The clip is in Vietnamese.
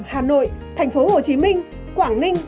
hà nội tp hcm quảng ninh